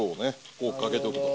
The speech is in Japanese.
こうかけとくと。